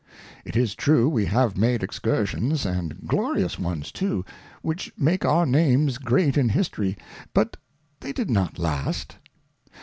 It is true, we have made Excursions, and glorious ones too, which make our Names great in History, but they did not last.